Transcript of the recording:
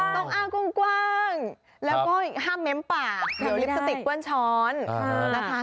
ต้องอ้างกว้างแล้วก็ห้ามเม้มปากผิวลิปสติกก้วนช้อนนะคะ